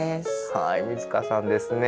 はい水香さんですね。